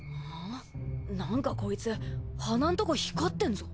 なんかこいつ鼻んとこ光ってんぞ。